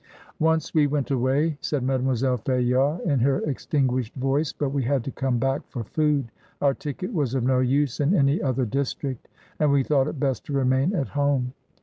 "Once we went away," said Mademoiselle Fayard, in her extinguished voice, "but we had to come back for food. Our ticket was of no use in any other district, and we thought it best to remain at home.